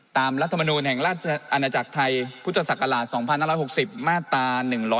รัฐมนูลแห่งราชอาณาจักรไทยพุทธศักราช๒๕๖๐มาตรา๑๑๒